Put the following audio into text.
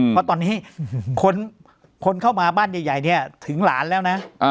เพราะตอนนี้คนเข้ามาบ้านใหญ่เนี่ยถึงหลานแล้วนะ